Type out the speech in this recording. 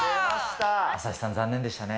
朝日さん、残念でしたね。